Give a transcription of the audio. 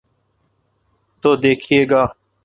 تو دیکھیے گا۔